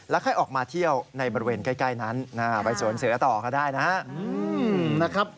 ค่อยออกมาเที่ยวในบริเวณใกล้นั้นไปสวนเสือต่อก็ได้นะครับ